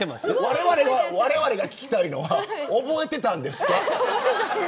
われわれが聞きたいのは覚えていたんですか。